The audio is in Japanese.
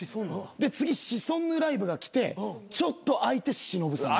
で次シソンヌライブがきてちょっと空いて忍さんです。